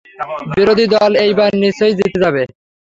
বিরোধী দল এইবার নিশ্চয়ই জিতে যাবে।